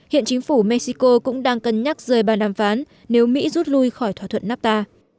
hiện chính phủ mexico cũng đang cân nhắc rời bàn đàm phán nếu mỹ rút lui khỏi thỏa thuận nafta